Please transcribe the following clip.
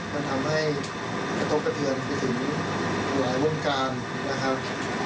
มันทำให้กระทบกระเทือนไปถึงหลายวงการนะครับ